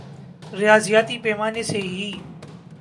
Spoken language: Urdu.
ریاضیاتی پیمانے سے ہی